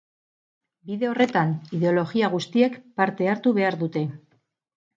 Bide horretan ideologia guztiek parte hartu behar dute.